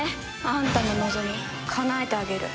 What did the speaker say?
あんたの望みかなえてあげる。